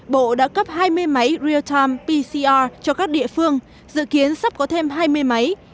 bộ đã cấp hai mươi máy real time pcr cho các địa phương dự kiến sắp có thêm hai mươi máy